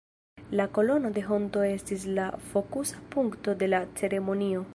La Kolono de Honto estis la fokusa punkto de la ceremonio.